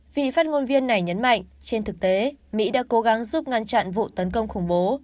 vị phát ngôn viên này nhấn mạnh trên thực tế mỹ đã cố gắng giúp ngăn chặn vụ tấn công khủng bố